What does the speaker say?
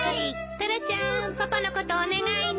タラちゃんパパのことお願いね。